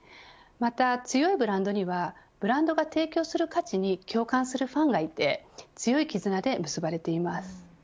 また、強いブランドにはブランドが提供する価値に共感するファンがいて強いきずなで結ばれています。